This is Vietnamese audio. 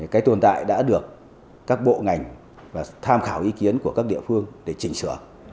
cái tồn tại đã được các bộ ngành và tham khảo ý kiến của các địa phương để chỉnh sửa